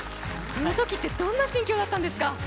そのときってどんな心境だったんですか？